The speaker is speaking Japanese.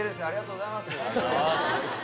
ありがとうございます。